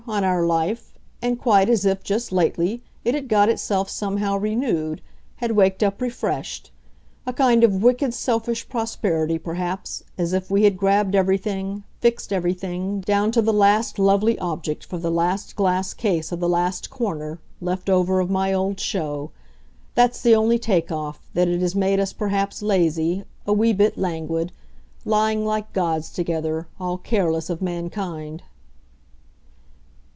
on our life and quite as if, just lately, it had got itself somehow renewed, had waked up refreshed. A kind of wicked selfish prosperity perhaps, as if we had grabbed everything, fixed everything, down to the last lovely object for the last glass case of the last corner, left over, of my old show. That's the only take off, that it has made us perhaps lazy, a wee bit languid lying like gods together, all careless of mankind."